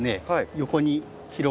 横に？